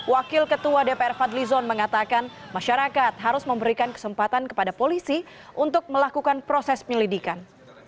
wakil ketua dpr fadlizon mengatakan masyarakat harus memberikan kesempatan kepada polisi untuk melakukan proses penyelidikan